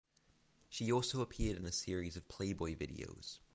She also appeared in a series of Playboy videos.